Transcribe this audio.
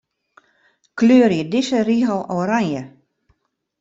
Kleurje dizze rigel oranje.